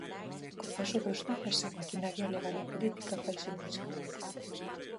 Co paso dos días, a maquinaria legal e política faise máis grande.